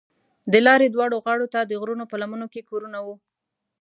د لارې دواړو غاړو ته د غرونو په لمنو کې کورونه وو.